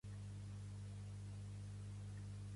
Es va acollir molt menys i això s’ha acabat.